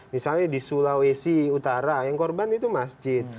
misalnya di sulawesi utara yang korban itu masjid